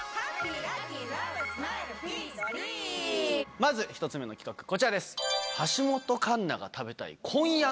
まず１つ目の企画こちらです。